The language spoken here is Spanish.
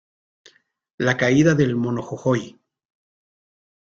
La Caída del Mono Jojoy.